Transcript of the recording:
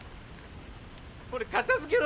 これ片づけろ